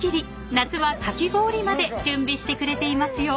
夏はかき氷まで準備してくれていますよ］